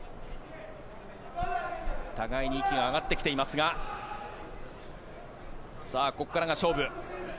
互いに息が上がってきていますがさあ、ここからが勝負。